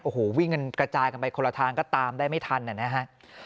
โอ้โหวิ่งกันกระจายกันไปคนละทางก็ตามได้ไม่ทันนะฮะ